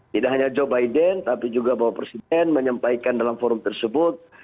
tidak hanya joe biden tapi juga bapak presiden menyampaikan dalam forum tersebut